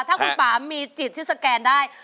ถ้าคุณป่ามีจิตที่สแกนได้